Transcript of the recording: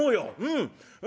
うん。